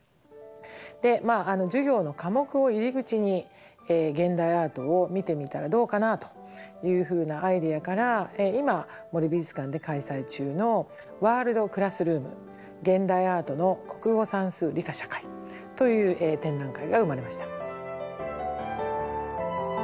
まあ授業の科目を入り口に現代アートを見てみたらどうかなというふうなアイデアから今森美術館で開催中の「ワールド・クラスルーム：現代アートの国語・算数・理科・社会」という展覧会が生まれました。